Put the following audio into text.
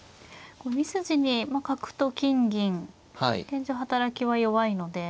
２筋に角と金銀現状働きは弱いので。